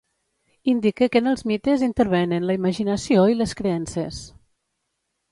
Indique que en els mites intervenen la imaginació i les creences.